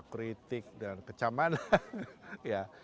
kritik dan kecaman ya